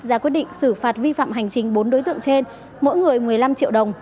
ra quyết định xử phạt vi phạm hành chính bốn đối tượng trên mỗi người một mươi năm triệu đồng